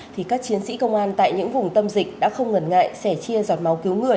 thì các chiến sĩ công an tại những vùng tâm dịch đã không ngần ngại sẻ chia giọt máu cứu người